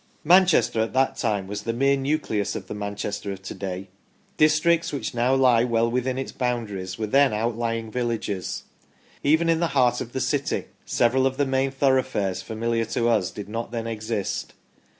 Manchester at that time was the mere nucleus of the Manchester of to day. Districts which now lie well within its boundaries were then outlying villages. Even in the heart of the city several of the main thoroughfares familiar to us did not then exist.